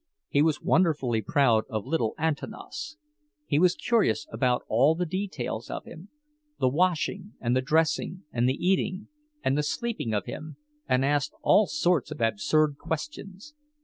He was wonderfully proud of little Antanas; he was curious about all the details of him—the washing and the dressing and the eating and the sleeping of him, and asked all sorts of absurd questions.